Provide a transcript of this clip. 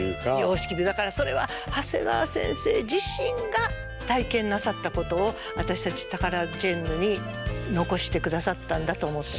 だからそれは長谷川先生自身が体験なさったことを私たちタカラジェンヌに残してくださったんだと思ってます。